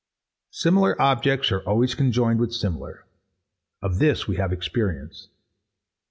Similar objects are always conjoined with similar. Of this we have experience.